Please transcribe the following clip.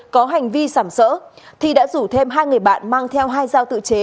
có hành vi sảm sỡ thi đã rủ thêm hai người bạn mang theo hai dao tự chế